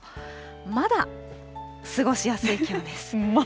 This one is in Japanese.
まだ過ごしやすい気温です。